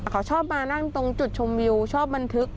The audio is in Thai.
เขาชอบมานั่งตรงจุดชมวิวชอบบันทึก